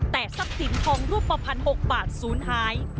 แต่ทรัพย์สินทองรูปภัณฑ์๖บาทศูนย์หาย